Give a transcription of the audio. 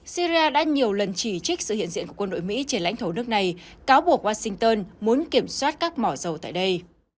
syria đã nhiều lần chỉ trích sự hiện diện của quân đội mỹ trên lãnh thổ nước này cáo buộc washington muốn kiểm soát các mỏ dầu tại đây